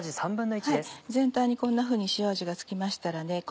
全体にこんなふうに塩味が付きましたらね